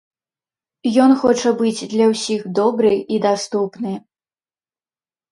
Ён хоча быць для ўсіх добры і даступны.